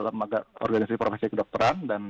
lembaga organisasi prosesi dokteran dan